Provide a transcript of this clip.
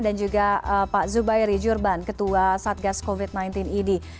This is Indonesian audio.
dan juga pak zubairi jurban ketua satgas covid sembilan belas ed